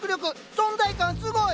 存在感すごい！